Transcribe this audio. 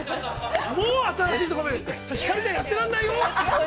もう新しいとこそれ、ひかるちゃんやってらんないよ？